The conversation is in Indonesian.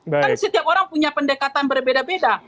kan setiap orang punya pendekatan berbeda beda